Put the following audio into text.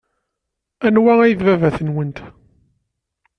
Anwa ay d baba-twent?